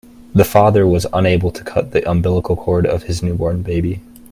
The father was unable to cut the umbilical cord of his newborn baby.